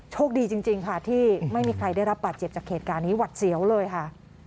โชคดีจริงค่ะที่ไม่มีใครได้รับบาดเจ็บจากเหตุการณ์นี้หวัดเสียวเลยค่ะ